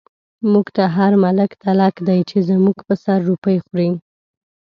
موږ ته هر ملک تلک دی، چی زموږ په سر روپۍ خوری